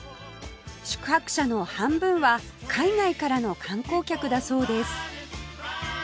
宿泊者の半分は海外からの観光客だそうです